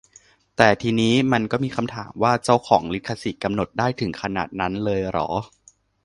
แต่ทีนี้ มันก็มีคำถามว่า เจ้าของลิขสิทธิ์กำหนดได้ถึงขนาดนั้นเลยเหรอ